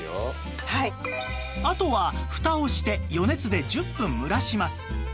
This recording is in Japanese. あとはフタをして余熱で１０分蒸らします